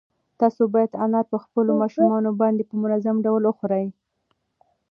تاسو باید انار په خپلو ماشومانو باندې په منظم ډول وخورئ.